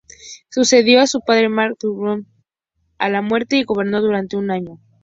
Sucedió a su padre Marduk-apla-iddina I a su muerte, y gobernó durante un año.